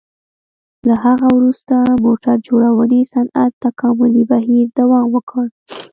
له هغه وروسته موټر جوړونې صنعت تکاملي بهیر دوام وکړ.